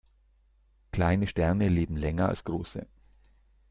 Kleine Sterne leben länger als große.